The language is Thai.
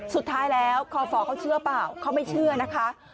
สุดท้ายแล้วคอฝเขาเชื่อเปล่าเขาไม่เชื่อนะคะ